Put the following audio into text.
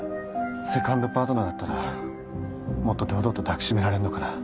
セカンドパートナーだったらもっと堂々と抱きしめられるのかな？